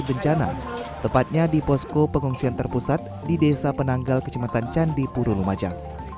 bencana tepatnya di posko pengungsian terpusat di desa penanggal kejumatan candi puru lumajang